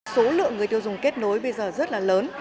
số lượng người tiêu dùng kết nối bây giờ rất là lớn